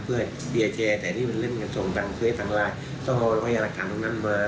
เพื่อเจอแต่นี่มันเล่นส่งภายจันตรีทั้งไฟล์จะเอาวัญญาณรักฐานตรงนั้นมา